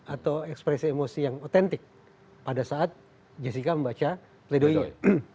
atau ekspresi emosi yang otentik pada saat jessica membaca pledoinya